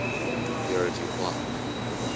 第二句話